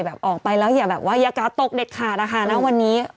ออกไปแล้วอย่าแบบว่ายากาศตกเด็ดขาดนะคะณวันนี้